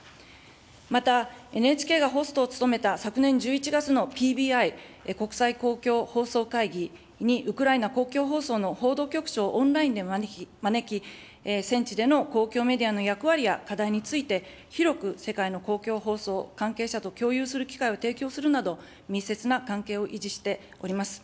また、ＮＨＫがホストを務めた昨年１１月のＰＢＩ・国際公共放送会議に、ウクライナ公共放送の報道局長をオンラインで招き、戦地での公共メディアの役割や課題について、広く世界の公共放送関係者と共有する機会を提供するなど、密接な関係を維持しております。